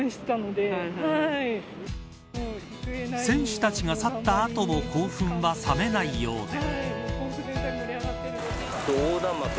選手たちが去った後も興奮は冷めないようで。